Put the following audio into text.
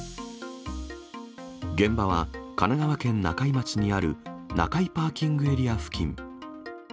現場は、神奈川県中井町にある中井パーキングエリア付近。